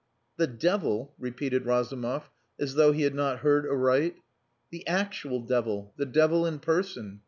"The devil," repeated Razumov, as though he had not heard aright. "The actual devil. The devil in person.